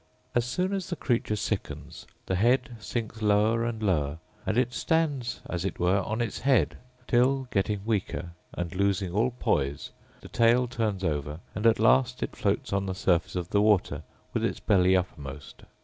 As soon as the creature sickens, the head sinks lower and lower, and it stands as it were on its head; till, getting weaker, and losing all poise, the tail turns over, and at last it floats on the surface of the water with its belly uppermost.